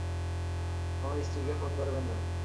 আমার স্ত্রীকে ফোন করবেন না।